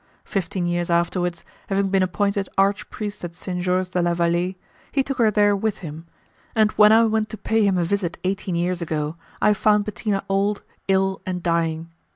Fifteen years afterwards, having been appointed arch priest at Saint George de la Vallee, he took her there with him, and when I went to pay him a visit eighteen years ago, I found Bettina old, ill, and dying.